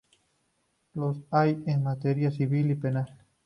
Los hay en Materia Civil y Penal.